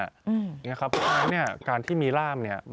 เพราะฉะนั้นการที่มีล่าม